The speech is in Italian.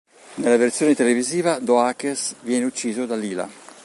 Nella versione televisiva Doakes viene ucciso da Lila.